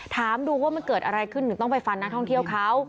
ถามดูว่ามันเกิดอะไรขึ้นถึงต้องไปฟันนักท่องเที่ยวเขา